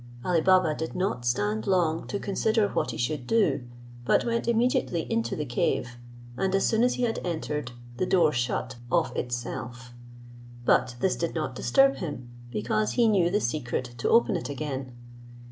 Ali Baba did not stand long to consider what he should do, but went immediately into the cave, and as soon as he had entered, the door shut of itself. But this did not disturb him, because he knew the secret to open it again.